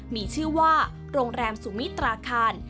มีชื่อว่าโรงแรมสุมิตราคาร